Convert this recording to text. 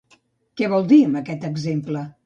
Què vol dir amb aquest exemple?